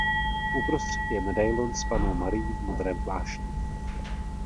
Uprostřed je medailon s Pannou Marií v modrém plášti.